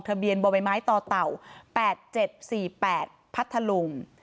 เบียนบ่อใบไม้ต่อเต่า๘๗๔๘พัทธลุง